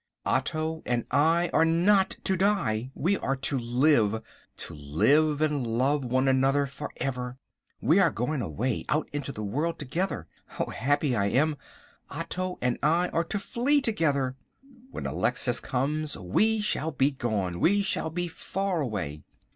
Otto and I are not to die. We are to live; to live and love one another for ever! We are going away, out into the world together! How happy I am! Otto and I are to flee together. When Alexis comes we shall be gone; we shall be far away.